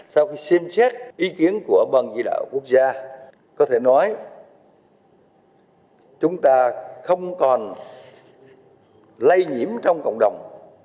sau khi xem xét ý kiến của bộ ngoại giao có thể nói chúng ta không còn lây nhiễm trong cộng đồng